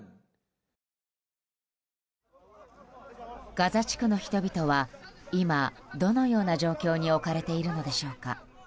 ガザ地区の人々は今どのような状況に置かれているのでしょうか。